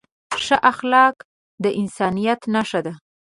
ښه اخلاق د انسانیت نښه ده.